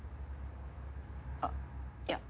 あっいや。